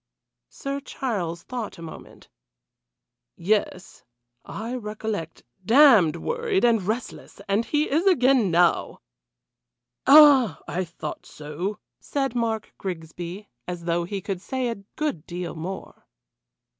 Sir Charles thought a moment. "Yes I recollect d d worried and restless and he is again now." "Ah! I thought so!" said Mark Grigsby, as though he could say a good deal more.